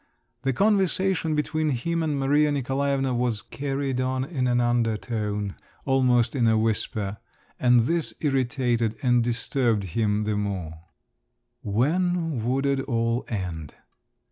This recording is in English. The conversation between him and Maria Nikolaevna was carried on in an undertone, almost in a whisper, and this irritated and disturbed him the more…. When would it all end?